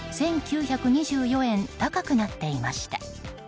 １９２４円高くなっていました。